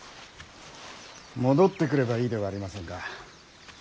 戻ってくればいいではありませんか。